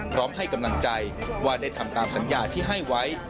พร้อมให้กำลังใจว่าได้ทำตามสัญญาที่ให้ไว้